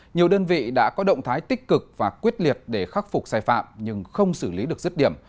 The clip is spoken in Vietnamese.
nhiều đơn vị đã có động thái tích cực và quyết liệt để khắc phục sai phạm nhưng không xử lý được dứt điểm